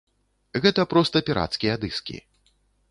Гэта проста пірацкія дыскі.